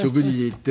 って。